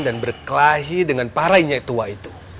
dan berkelahi dengan para inyek tua itu